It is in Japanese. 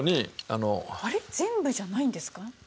あれ全部じゃないんですか？